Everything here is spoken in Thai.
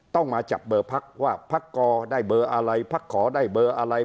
ต้องมาจับเบอร์พักว่าพักกอได้เบอร์อะไรพักขอได้เบอร์อะไร